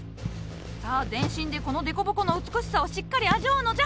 さあ全身でこの凸凹の美しさをしっかり味わうのじゃ。